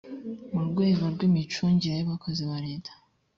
mu rwego rw imicungire y abakozi ba leta